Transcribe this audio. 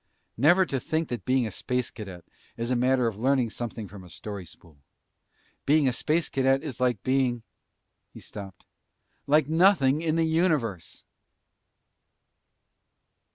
"Never to think that being a Space Cadet is a matter of learning something from a story spool. Being a Space Cadet is like being " He stopped. "Like nothing in the universe!"